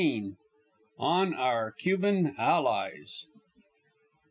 ON OUR CUBAN ALLIES.